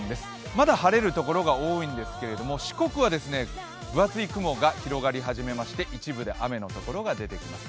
まだ晴れるところが多いんですけど四国は分厚い雲が広がり始めまして、一部で雨のところが出てきます。